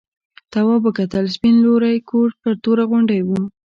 تواب وکتل سپین لوی کور پر توره غونډۍ و.